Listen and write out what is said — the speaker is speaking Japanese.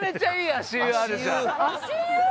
「足湯！？」